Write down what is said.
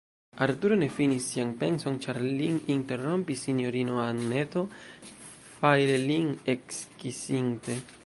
Arturo ne finis sian penson, ĉar lin interrompis sinjorino Anneto, fajre lin ekkisinte.